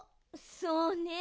そうね。